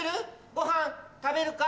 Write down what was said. ごはん食べるか？